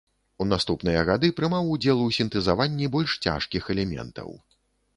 У наступныя гады прымаў удзел у сінтэзаванні больш цяжкіх элементаў.